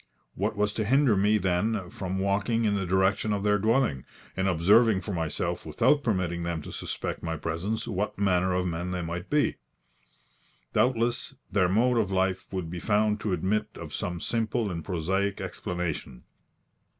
What was to hinder me, then, from walking in the direction of their dwelling, and observing for myself, without permitting them to suspect my presence, what manner of men they might be? Doubtless, their mode of life would be found to admit of some simple and prosaic explanation.